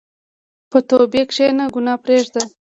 په توبې کښېنه، ګناه پرېږده.